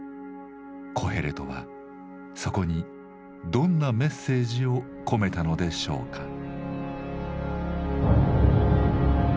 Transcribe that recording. コヘレトはそこにどんなメッセージを込めたのでしょうか。